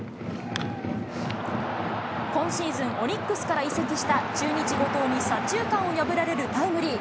今シーズン、オリックスから移籍した中日、後藤に左中間を破られるタイムリー。